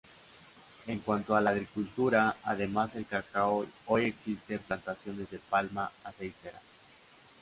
En cuanto a la agricultura, además el cacao, hoy existen plantaciones de palma aceitera.